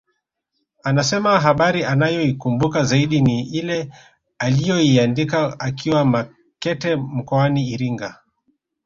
Anasema habari anayoikumbuka zaidi ni ile aliyoiandika akiwa Makete mkoani Iringa